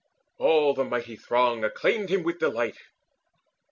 All the mighty throng Acclaimed him with delight.